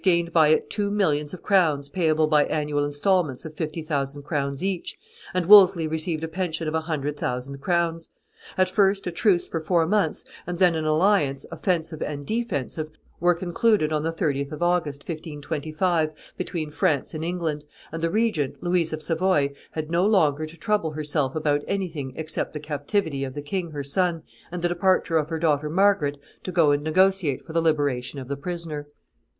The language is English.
gained by it two millions of crowns payable by annual instalments of fifty thousand crowns each, and Wolsey received a pension of a hundred thousand crowns. At first a truce for four months, and then an alliance, offensive and defensive, were concluded on the 30th of August, 1525, between France and England; and the regent, Louise of Savoy, had no longer to trouble herself about anything except the captivity of the king her son and the departure of her daughter Margaret to go and negotiate for the liberation of the prisoner.